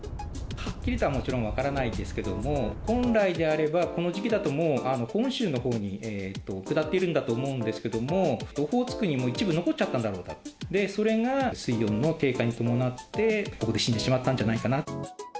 はっきりとはもちろん分からないですけれども、本来であれば、この時期だともう、本州のほうに下っているんだと思うんですけれども、オホーツクにも一部残っちゃったんだろうと、それが水温の低下に伴って、ここで死んでしまったんじゃないかな。